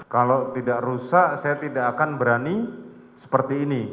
kalau tidak rusak saya tidak akan berani seperti ini